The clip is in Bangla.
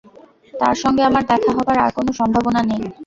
তাঁর সঙ্গে আমার দেখা হবার আর-কোনো সম্ভাবনা নেই।